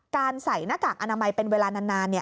ใส่หน้ากากอนามัยเป็นเวลานาน